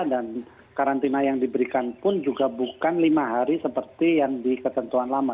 dan karantina yang diberikan pun juga bukan lima hari seperti yang di ketentuan lama